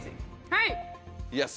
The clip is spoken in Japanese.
はい。